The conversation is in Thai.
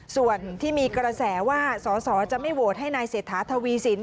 ส่วนที่มีกระแสว่าสอสอจะไม่โหวตให้นายเศรษฐาทวีสิน